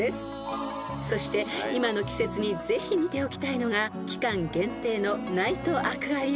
［そして今の季節にぜひ見ておきたいのが期間限定のナイトアクアリウム］